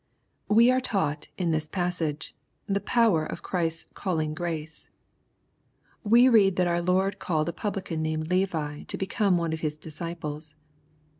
We are taught, in this passage, the power of Chrtsfs calling grace. We read that our Lord called a publican named Levi to become one of His disciples.